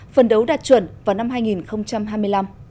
phần đấu đạt chuẩn vào năm hai nghìn hai mươi năm